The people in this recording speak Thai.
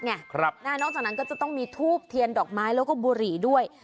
นอกจากนั้นก็จะต้องมีทูบเทียนดอกไม้แล้วก็บุหรี่ด้วย